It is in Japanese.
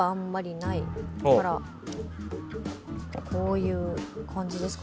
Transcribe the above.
こういう感じですかね。